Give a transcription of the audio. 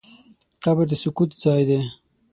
قبر د سکوت ځای دی.